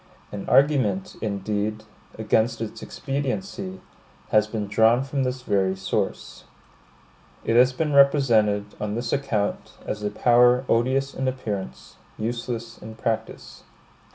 An argument, indeed, against its expediency, has been drawn from this very source. It has been represented, on this account, as a power odious in appearance, useless in practice.